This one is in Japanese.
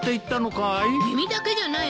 耳だけじゃないわよ。